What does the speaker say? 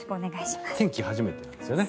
天気初めてなんですよね。